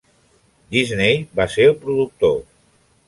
Disney va ser el productor.